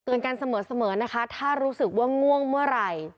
กันเสมอนะคะถ้ารู้สึกว่าง่วงเมื่อไหร่